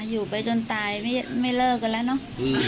อยู่ไปจนตายไม่เลิกกันแล้วเนอะ